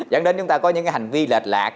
dẫn đến chúng ta có những hành vi lệch lạc